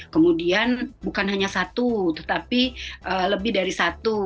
kemudian bukan hanya satu tetapi lebih dari satu